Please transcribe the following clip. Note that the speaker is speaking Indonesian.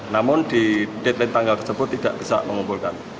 namun di deadline tanggal tersebut tidak bisa mengumpulkan